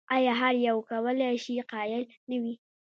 ایا هر یو کولای شي قایل نه وي؟